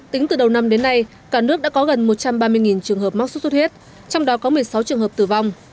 tính từ đầu năm đến nay cả nước đã có gần một trăm ba mươi trường hợp mắc sốt xuất huyết trong đó có một mươi sáu trường hợp tử vong